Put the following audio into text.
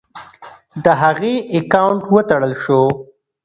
د هغې اکاونټ وتړل شو.